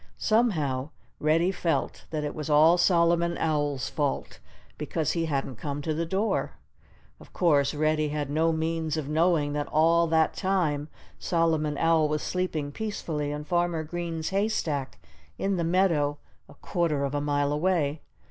Somehow, Reddy felt that it was all Solomon Owl's fault, because he hadn't come to the door. Of course, Reddy had no means of knowing that all that time Solomon Owl was sleeping peacefully in Farmer Green's haystack in the meadow, a quarter of a mile away.